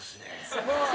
すごい。